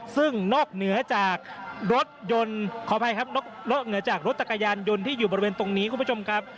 ซึ่งนอกเหนือจากรถจักรยานยนต์ที่อยู่บริเวณตรงนี้คุณผู้ชมครับ